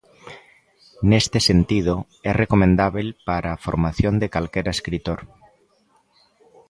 Neste sentido, é recomendábel para a formación de calquera escritor.